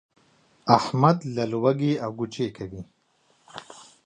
احمد له لوږې اګوچې کوي.